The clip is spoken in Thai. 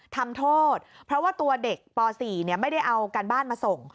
ทำโทษเพราะว่าตัวเด็กป๔ไม่ได้เอาการบ้านมาส่ง